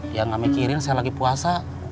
dia gak mikirin saya lagi puasa